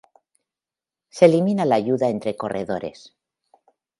Se elimina la ayuda entre corredores.